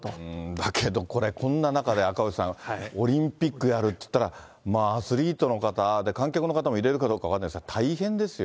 だけどこれ、こんな中で赤星さん、オリンピックやるっていったら、まあ、アスリートの方、観客の方も入れるかどうか分かりませんが、大変ですよ。